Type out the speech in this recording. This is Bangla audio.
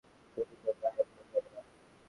তুমি তো গায়েব হয়ে যাবে না।